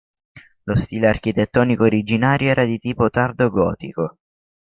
Lo stile architettonico originario era di tipo tardo gotico.